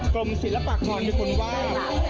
กลมศิลปากรเป็นคนวาด